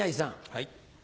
はい。